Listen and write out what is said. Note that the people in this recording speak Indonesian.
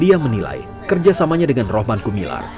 dia menilai kerjasamanya dengan rohman kumilar